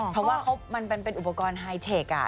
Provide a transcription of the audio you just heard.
แล้วก็มันเป็นอุปกรณ์ไฮเทคอ่ะ